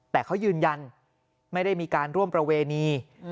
แต่เขายืนยันไม่ได้มีการร่วมประเวณี